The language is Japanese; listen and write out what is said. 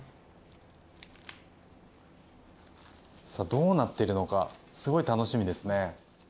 さあどうなってるのかすごい楽しみですね。